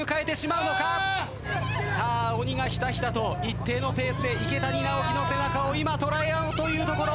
さあ鬼がひたひたと一定のペースで池谷直樹の背中を今とらえようというところ。